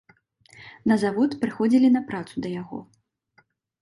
На завод прыходзілі на працу да яго.